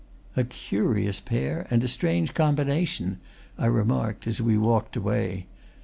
"A curious pair and a strange combination!" I remarked as we walked away.